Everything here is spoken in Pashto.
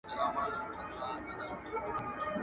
پر اوږو د وارثانو جنازه به دي زنګېږي.